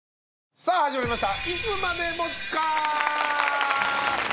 さぁ始まりました。